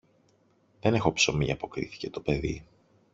Δεν έχω ψωμί, αποκρίθηκε το παιδί.